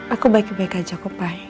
aku baik baik aja pak